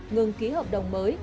ngừng ký hợp đồng mới